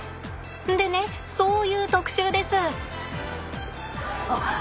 でねそういう特集です。